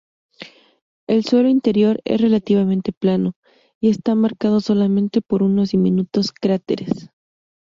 El suelo interior es relativamente plano, y está marcado solamente por unos diminutos cráteres.